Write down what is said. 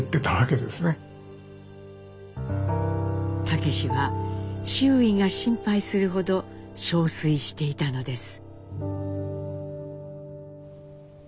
武は周囲が心配するほど憔悴していたのです。